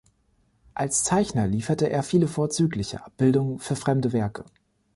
Als Zeichner lieferte er viele vorzügliche Abbildungen für fremde Werke.